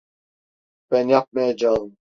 Ben yapmayacağım.